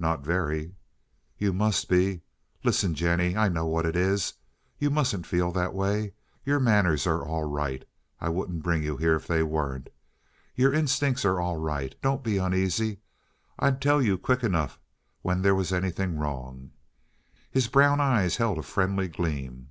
"Not very." "You must be. Listen, Jennie. I know what it is. You mustn't feel that way. Your manners are all right. I wouldn't bring you here if they weren't. Your instincts are all right. Don't be uneasy. I'd tell you quick enough when there was anything wrong." His brown eyes held a friendly gleam.